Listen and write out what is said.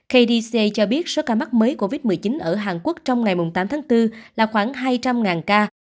kdc cho biết số ca mắc mới covid một mươi chín ở hàn quốc trong ngày tám tháng bốn là khoảng hai trăm linh ca